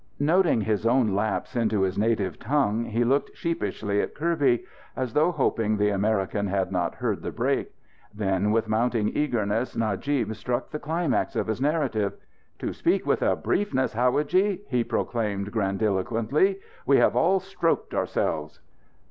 Noting his own lapse into his native language, he looked sheepishly at Kirby, as though hoping the American had not heard the break. Then, with mounting eagerness, Najib struck the climax of his narrative. "To speak with a briefness, howadji," he proclaimed grandiloquently. "We have all stroked ourselfs!"